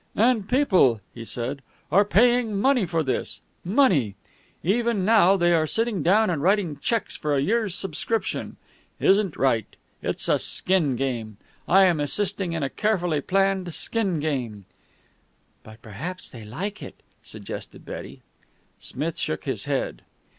"And people," he said, "are paying money for this! Money! Even now they are sitting down and writing checks for a year's subscription. It isn't right! It's a skin game. I am assisting in a carefully planned skin game!" "But perhaps they like it," suggested Betty. Smith shook his head.